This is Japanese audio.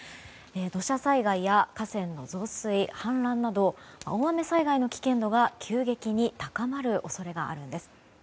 土砂災害や河川の増水・氾濫など大雨災害への危険度が急激に高まる恐れがあるんです。